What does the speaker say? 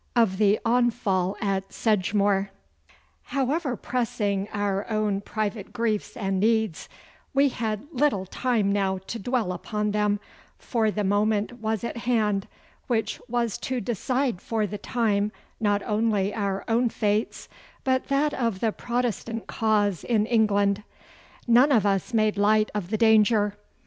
Of the Onfall at Sedgemoor However pressing our own private griefs and needs, we had little time now to dwell upon them, for the moment was at hand which was to decide for the time not only our own fates, but that of the Protestant cause in England. None of us made light of the danger.